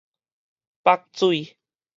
腹水